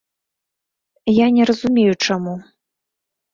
Я не разумею чаму.